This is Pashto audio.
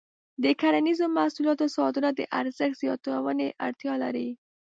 د کرنیزو محصولاتو صادرات د ارزښت زیاتونې اړتیا لري.